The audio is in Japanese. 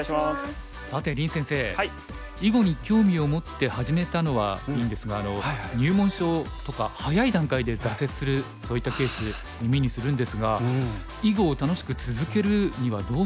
さて林先生囲碁に興味を持って始めたのはいいんですが入門書とか早い段階で挫折するそういったケース耳にするんですが囲碁を楽しく続けるにはどうしたらいいと思いますか？